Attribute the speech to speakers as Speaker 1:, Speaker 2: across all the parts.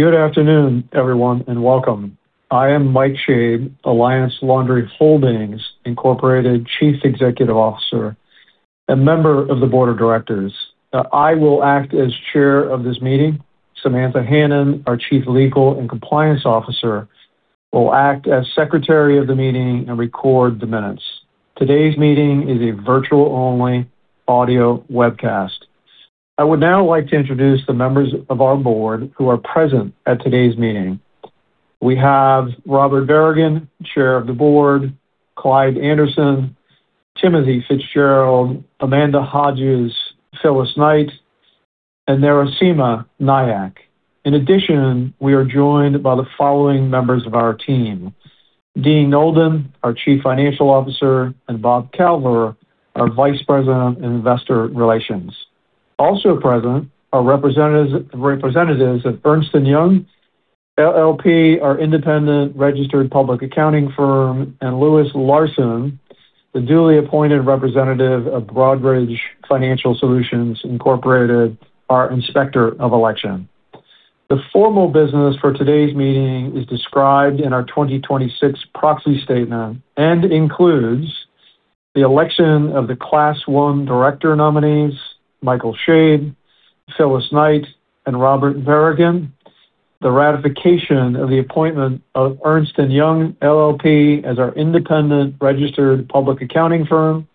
Speaker 1: Good afternoon, everyone, and welcome. I am Mike Schoeb, Alliance Laundry Holdings Incorporated Chief Executive Officer and member of the board of directors. I will act as chair of this meeting. Samantha Hannan, our Chief Legal and Compliance Officer, will act as secretary of the meeting and record the minutes. Today's meeting is a virtual-only audio webcast. I would now like to introduce the members of our board who are present at today's meeting. We have Robert Barragan, chair of the board, Clyde Anderson, Timothy Fitzgerald, Amanda Hodges, Phyllis Knight, and Narasimha Nayak. In addition, we are joined by the following members of our team: Dean Knowlton, our Chief Financial Officer, and Bob Kalberer, our Vice President of Investor Relations. Also present are representatives of Ernst & Young LLP, our independent registered public accounting firm, and Lewis Larson, the duly appointed representative of Broadridge Financial Solutions, Incorporated, our inspector of election. The formal business for today's meeting is described in our 2026 proxy statement and includes the election of the class 1 director nominees, Mike Schoeb, Phyllis Knight, and Robert Barragan, the ratification of the appointment of Ernst & Young LLP as our independent registered public accounting firm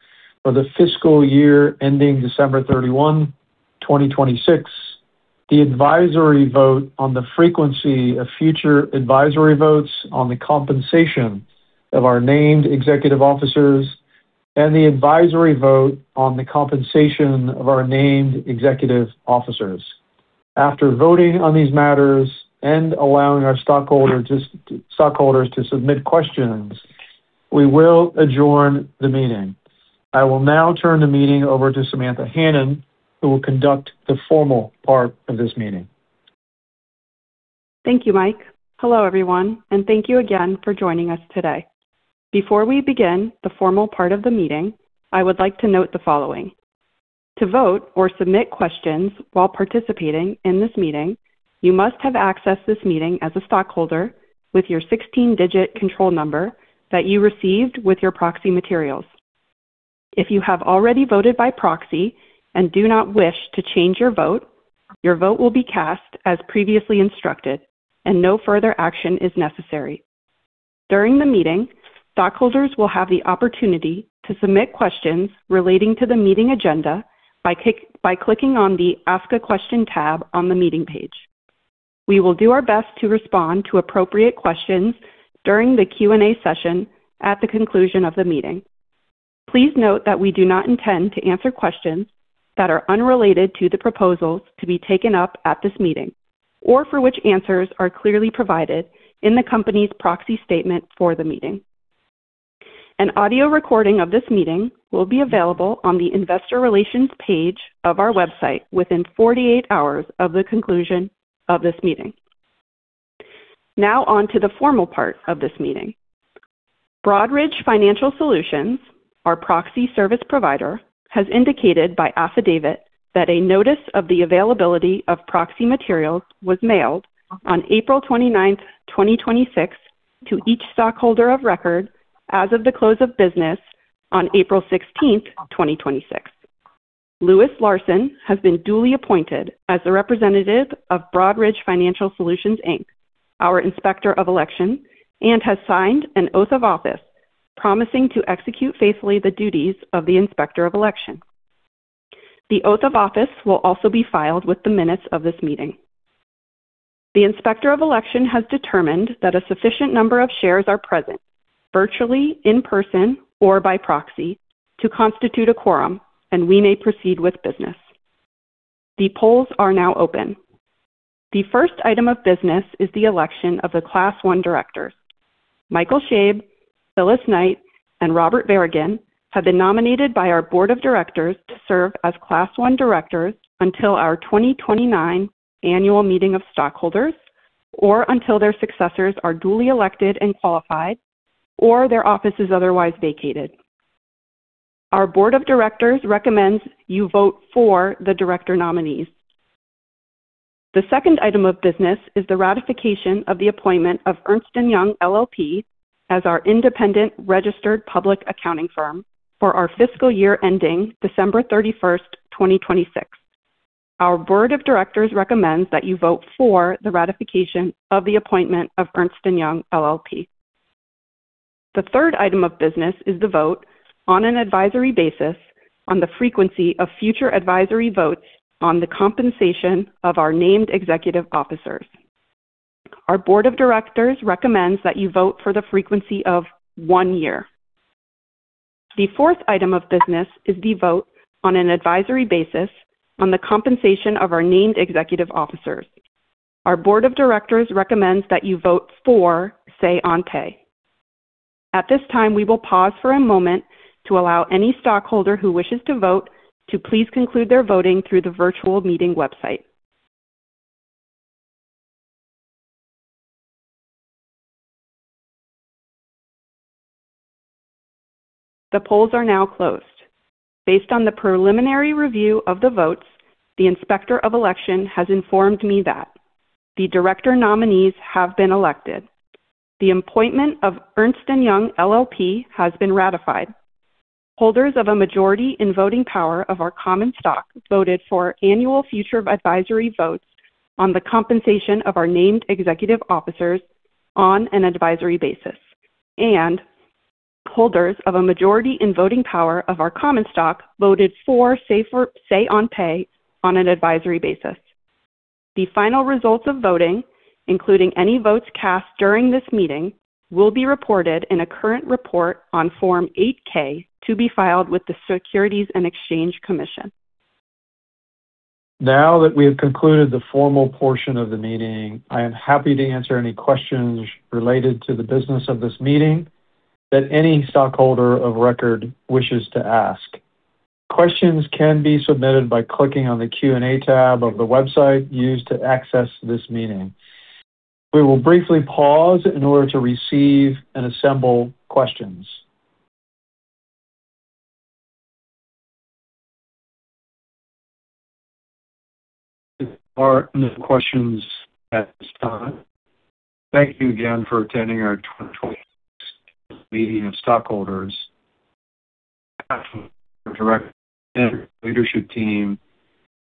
Speaker 1: for the fiscal year ending December 31, 2026, the advisory vote on the frequency of future advisory votes on the compensation of our named executive officers, and the advisory vote on the compensation of our named executive officers. After voting on these matters and allowing our stockholders to submit questions, we will adjourn the meeting. I will now turn the meeting over to Samantha Hannan, who will conduct the formal part of this meeting.
Speaker 2: Thank you, Mike. Hello, everyone, and thank you again for joining us today. Before we begin the formal part of the meeting, I would like to note the following. To vote or submit questions while participating in this meeting, you must have accessed this meeting as a stockholder with your 16-digit control number that you received with your proxy materials. If you have already voted by proxy and do not wish to change your vote, your vote will be cast as previously instructed and no further action is necessary. During the meeting, stockholders will have the opportunity to submit questions relating to the meeting agenda by clicking on the Ask a Question tab on the meeting page. We will do our best to respond to appropriate questions during the Q&A session at the conclusion of the meeting. Please note that we do not intend to answer questions that are unrelated to the proposals to be taken up at this meeting, or for which answers are clearly provided in the company's proxy statement for the meeting. An audio recording of this meeting will be available on the investor relations page of our website within 48 hours of the conclusion of this meeting. Now on to the formal part of this meeting. Broadridge Financial Solutions, our proxy service provider, has indicated by affidavit that a notice of the availability of proxy materials was mailed on April 29, 2026, to each stockholder of record as of the close of business on April 16, 2026. Lewis Larson has been duly appointed as the representative of Broadridge Financial Solutions, Inc., our Inspector of Election, and has signed an oath of office promising to execute faithfully the duties of the Inspector of Election. The oath of office will also be filed with the minutes of this meeting. The Inspector of Election has determined that a sufficient number of shares are present virtually, in person, or by proxy, to constitute a quorum, and we may proceed with business. The polls are now open. The first item of business is the election of the class 1 directors. Mike Schoeb, Phyllis Knight, and Robert Barragan have been nominated by our board of directors to serve as class 1 directors until our 2029 annual meeting of stockholders, or until their successors are duly elected and qualified, or their office is otherwise vacated. Our board of directors recommends you vote for the director nominees. The second item of business is the ratification of the appointment of Ernst & Young LLP as our independent registered public accounting firm for our fiscal year ending December 31, 2026. Our board of directors recommends that you vote for the ratification of the appointment of Ernst & Young LLP. The third item of business is the vote on an advisory basis on the frequency of future advisory votes on the compensation of our named executive officers. Our board of directors recommends that you vote for the frequency of one year. The fourth item of business is the vote on an advisory basis on the compensation of our named executive officers. Our board of directors recommends that you vote for say on pay. At this time, we will pause for a moment to allow any stockholder who wishes to vote to please conclude their voting through the virtual meeting website. The polls are now closed. Based on the preliminary review of the votes, the Inspector of Election has informed me that the director nominees have been elected. The appointment of Ernst & Young LLP has been ratified. Holders of a majority in voting power of our common stock voted for annual future advisory votes on the compensation of our named executive officers on an advisory basis, and holders of a majority in voting power of our common stock voted for say on pay on an advisory basis. The final results of voting, including any votes cast during this meeting, will be reported in a current report on Form 8-K to be filed with the Securities and Exchange Commission.
Speaker 1: Now that we have concluded the formal portion of the meeting, I am happy to answer any questions related to the business of this meeting that any stockholder of record wishes to ask. Questions can be submitted by clicking on the Q&A tab of the website used to access this meeting. We will briefly pause in order to receive and assemble questions. There are no questions at this time. Thank you again for attending our 2026 meeting of stockholders. On behalf of our directors and leadership team,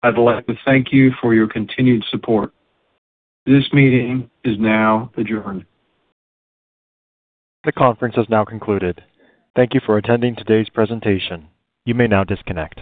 Speaker 1: I'd like to thank you for your continued support. This meeting is now adjourned.
Speaker 3: The conference has now concluded. Thank you for attending today's presentation. You may now disconnect.